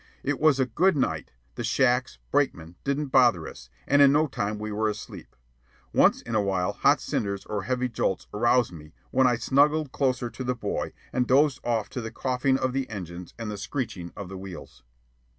It was a "good" night; the "shacks" (brakemen) didn't bother us, and in no time we were asleep. Once in a while hot cinders or heavy jolts aroused me, when I snuggled closer to the boy and dozed off to the coughing of the engines and the screeching of the wheels.